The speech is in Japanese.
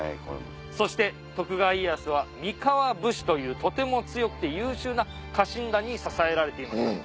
そして徳川家康は三河武士というとても強くて優秀な家臣団に支えられていました。